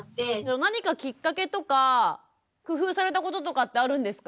何かきっかけとか工夫されたこととかってあるんですか？